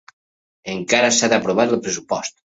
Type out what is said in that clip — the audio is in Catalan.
Encara s’ha d’aprovar el pressupost.